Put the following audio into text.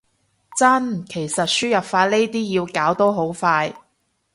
真，其實輸入法呢啲要搞都好快